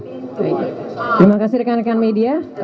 terima kasih rekan rekan media